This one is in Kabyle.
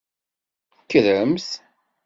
Kkremt.